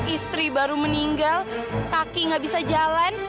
istri baru meninggal kaki gak bisa jalan